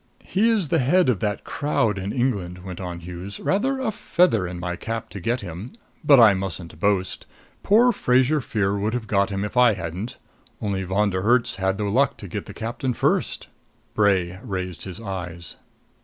"He is the head of that crowd in England," went on Hughes. "Rather a feather in my cap to get him but I mustn't boast. Poor Fraser Freer would have got him if I hadn't only Von der Herts had the luck to get the captain first." Bray raised his eyes.